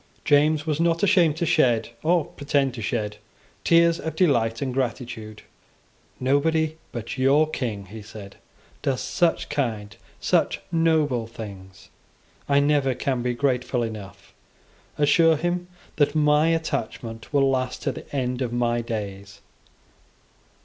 James was not ashamed to shed, or pretend to shed, tears of delight and gratitude. "Nobody but your King," he said, "does such kind, such noble things. I never can be grateful enough. Assure him that my attachment will last to the end of my days."